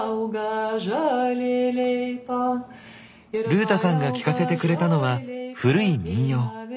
ルータさんが聴かせてくれたのは古い民謡。